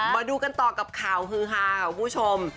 มาดูกันต่อกับข่าวฮือฮาของคุณผู้ชม